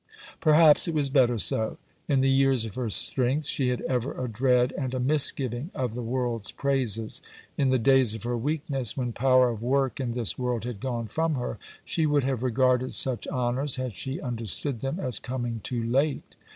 Perhaps it was better so. In the years of her strength she had ever a dread and a misgiving of the world's praises. In the days of her weakness, when power of work in this world had gone from her, she would have regarded such honours, had she understood them, as coming too late.